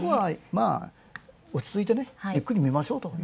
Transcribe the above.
おちついてゆっくり見ましょうと。